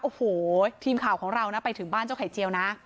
โอ้โหทีมข่าวของเรานะไปถึงบ้านเจ้าไข่เจียวนะ